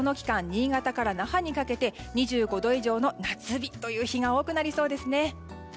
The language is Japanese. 新潟から那覇にかけて２５度以上の夏日という日が多くなりそうですね。